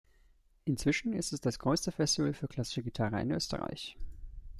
Inzwischen ist es das größte Festival für klassische Gitarre in Österreich.